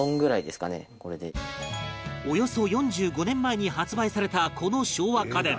およそ４５年前に発売されたこの昭和家電